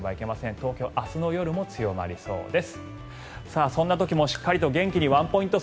東京は明日の夜も強まりそうです。